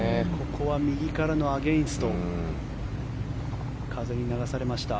ここは右からのアゲンスト風に流されました。